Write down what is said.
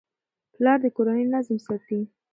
پلار د کورنۍ نظم ساتي.